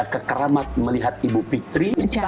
kekeramat melihat ibu fikri